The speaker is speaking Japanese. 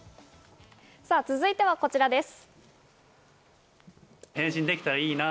続いてはこちらです。